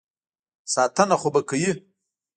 ساتنه خو به کوي.